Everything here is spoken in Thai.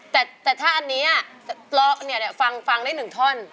แต่ถ้าอันนี้ฟังได้๑ท่อน